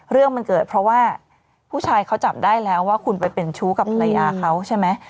เรื่องมันเกิดเพราะว่าผู้ชายเขาจับได้แล้วว่าคุณไปเป็นชู้กับภรรยาเขาใช่ไหม